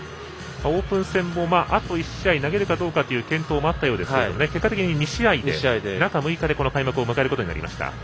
オープン戦もあと１試合投げるかどうかという検討もあったようですが結果的に２試合で中６日で開幕を迎えることになりました。